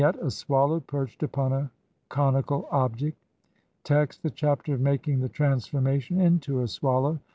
] Vignette : A swallow perched upon a conical object. Text: (1) The Chapter of making the transformation INTO A SWALLOW.